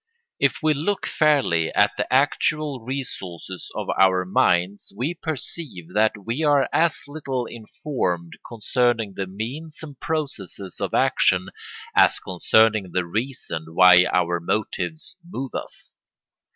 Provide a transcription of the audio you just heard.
If we look fairly at the actual resources of our minds we perceive that we are as little informed concerning the means and processes of action as concerning the reason why our motives move us.